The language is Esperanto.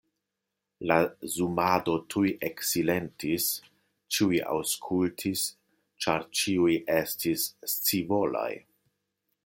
La zumado tuj eksilentis; ĉiuj aŭskultis, ĉar ĉiuj estis scivolaj.